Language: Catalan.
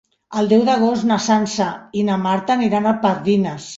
El deu d'agost na Sança i na Marta aniran a Pardines.